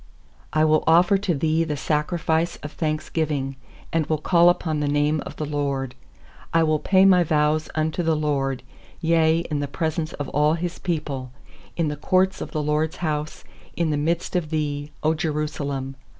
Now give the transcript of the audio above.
17I will offer to Thee the sacrifice of thanksgiving, And will call upon the name of the LORD. 18I will pay my vows unto the LORD, Yea, in the presence of all His people; 19In the courts of the LORD'S house, In the midst of thee, 0 Jerusalem.